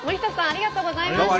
ありがとうございます！